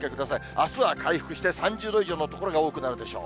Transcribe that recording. あすは回復して３０度以上の所が多くなるでしょう。